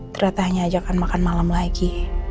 ternyata hanya ajakan makan malam lagi